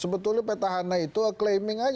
sebetulnya petahana itu aclaiming aja